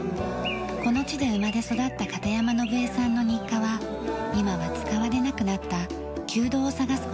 この地で生まれ育った片山伸栄さんの日課は今は使われなくなった旧道を探す事です。